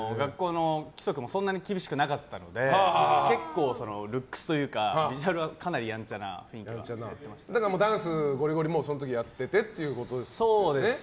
学校の規則もそんなに厳しくなかったので結構、ルックスというかビジュアルはかなりヤンチャなダンスをゴリゴリその時からやっていてという。